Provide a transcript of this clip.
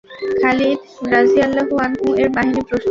খালিদ রাযিয়াল্লাহু আনহু-এর বাহিনী প্রস্তুত।